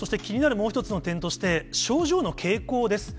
もう一つの点として、症状の傾向です。